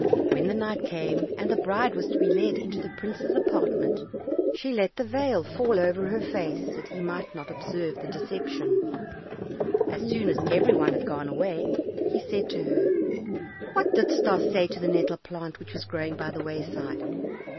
When the night came, and the bride was to be led into the prince's apartment, she let her veil fall over her face, that he might not observe the deception. As soon as every one had gone away, he said to her, "What didst thou say to the nettle plant which was growing by the wayside?"